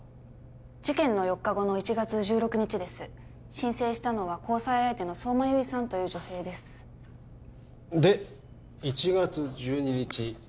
事件の４日後の１月１６日です申請したのは交際相手の相馬悠依さんという女性ですで１月１２日